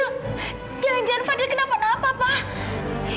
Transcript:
jangan jangan fadil kenapa napa pak